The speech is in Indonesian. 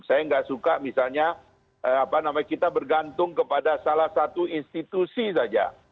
saya nggak suka misalnya kita bergantung kepada salah satu institusi saja